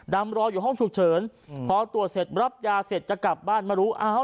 รออยู่ห้องฉุกเฉินพอตรวจเสร็จรับยาเสร็จจะกลับบ้านมารู้เอ้า